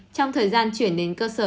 trong thời gian chuyển đến cơ sở